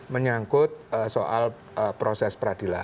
menyangkut soal proses peradilan